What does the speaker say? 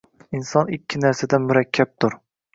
Inson ikki narsadan murakkabdur